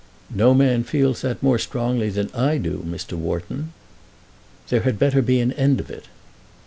"No man feels that more strongly than I do, Mr. Wharton." "There had better be an end of it."